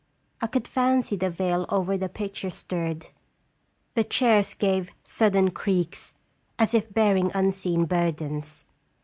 I could fancy the veil over the pic ture stirred. The chairs gave sudden creaks, as if bearing unseen burdens.